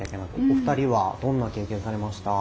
お二人はどんな経験されました？